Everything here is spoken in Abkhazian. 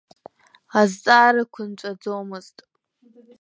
Азҵаарақәа нҵәаӡомызт.